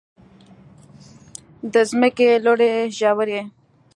د ځمکې لوړې ژورې.